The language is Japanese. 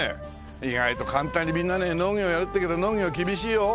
意外と簡単にみんなね農業やるって言うけど農業厳しいよ。